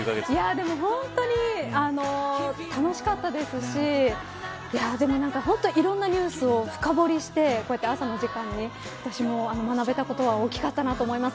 本当に楽しかったですしいろんなニュースを深掘りして朝の時間に私も学べたことは大きかったなと思います。